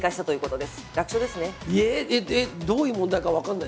えっえっどういう問題か分かんない。